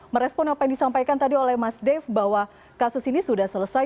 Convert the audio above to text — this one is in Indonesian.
merespon apa yang disampaikan tadi oleh mas dave bahwa kasus ini sudah selesai